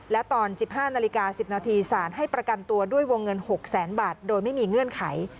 และตอน๑๕นาฬิกา๑๐นาทีสารให้ประกันตัวด้วยวงเงิน๖แสนบาทโดยไม่มีเงื่อนไข